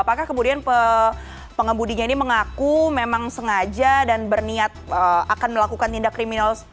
apakah kemudian pengembudinya ini mengaku memang sengaja dan berniat akan melakukan tindak kriminal